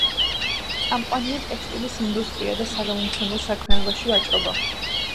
წამყვანია ტექსტილის ინდუსტრია და საგამომცემლო საქმიანობაში ვაჭრობა.